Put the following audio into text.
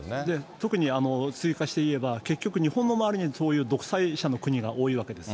特に追加して言えば、結局、日本の周りにそういう独裁者の国が多いわけです。